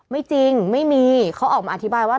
ไม่จริงไม่มีเขาออกมาอธิบายว่า